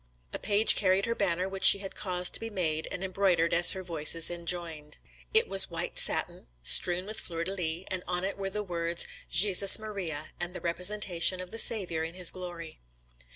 A page carried her banner, which she had caused to be made and embroidered as her Voices enjoined. It was white satin [Proces de Jeanne d'Arc, vol. i. p. 238.] strewn with fleur de lis; and on it were the words "JHESUS MARIA," and the representation of the Saviour in His glory.